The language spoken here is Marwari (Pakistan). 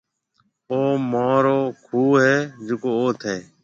او مهارو کُوه هيَ جڪو اوٿ هيَ۔